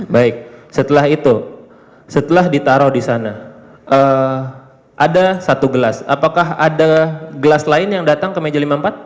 baik setelah itu setelah ditaruh di sana ada satu gelas apakah ada gelas lain yang datang ke meja lima puluh empat